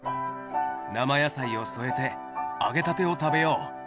生野菜を添えて、揚げたてを食べよう。